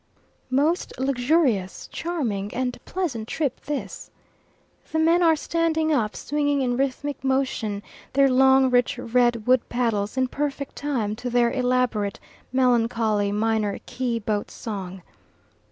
Most luxurious, charming, and pleasant trip this. The men are standing up swinging in rhythmic motion their long, rich red wood paddles in perfect time to their elaborate melancholy, minor key boat song.